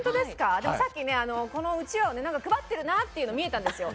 さっき、このうちわを配っているなというのが見えたんですよ。